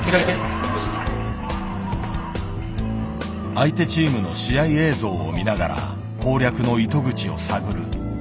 相手チームの試合映像を見ながら攻略の糸口を探る。